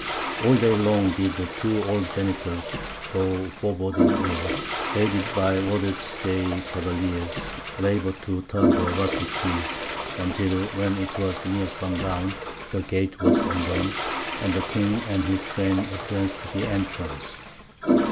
All day long did the two old janitors, though foreboding ill, aided by Roderick's gay cavaliers, labour to turn the rusty keys, until, when it was near sundown, the gate was undone, and the king and his train advanced to the entrance.